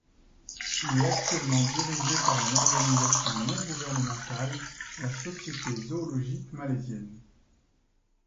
Il est actuellement dirigé par une organisation non gouvernementale, la Société Zoologique Malaisienne.